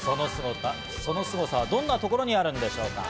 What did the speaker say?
そのすごさはどんなところにあるんでしょうか？